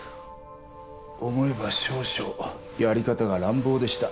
思えば少々やり方が乱暴でした